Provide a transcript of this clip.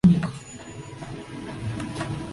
Bisagra recta.